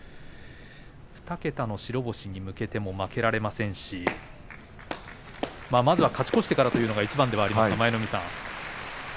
２桁の白星に向けても負けられませんしまずは勝ち越してからというのがいちばんですが、舞の海さん。